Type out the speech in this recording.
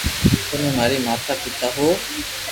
تمي ماري ماتا ھون